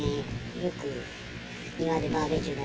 よく庭でバーベキューだ